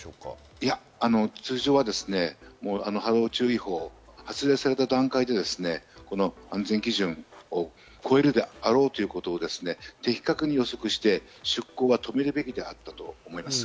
普通は波浪注意報が発令された段階で安全基準を超えるであろうということを的確に予測して、出港を止めるべきであったと思います。